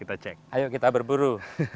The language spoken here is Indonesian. ayo kita berburu